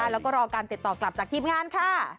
แล้วก็รอการติดต่อกลับจากทีมงานค่ะ